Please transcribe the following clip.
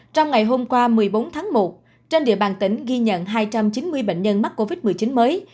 trong ngày hôm qua một mươi bốn tháng một trên địa bàn tỉnh ghi nhận hai trăm chín mươi bệnh nhân mắc covid một mươi chín mới